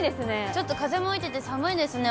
ちょっと風も吹いてて、寒いですね。